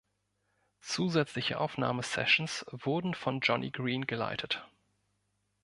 Zusätzliche Aufnahme-Sessions wurden von Johnny Green geleitet.